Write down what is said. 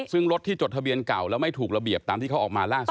ซึ่งรถที่จดทะเบียนเก่าแล้วไม่ถูกระเบียบตามที่เขาออกมาล่าสุด